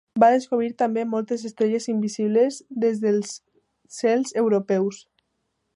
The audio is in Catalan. Va descobrir també moltes estrelles invisibles des dels cels europeus.